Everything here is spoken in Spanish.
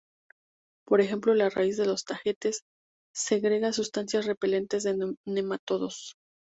Por ejemplo la raíz de los tagetes segrega sustancias repelentes de nematodos.